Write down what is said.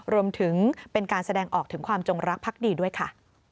รวมถึงเป็นการแสดงออกถึงความจงรักพักดีด้วยค่ะ